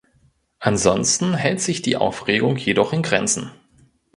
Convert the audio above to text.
Ansonsten hält sich die Aufregung jedoch in Grenzen.